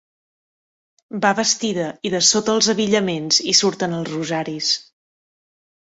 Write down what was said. Va vestida i de sota els abillaments hi surten els rosaris.